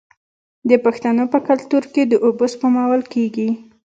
د پښتنو په کلتور کې د اوبو سپمول کیږي.